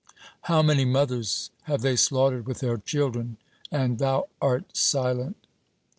How many mothers have they slaughtered with their children and Thou art silent!"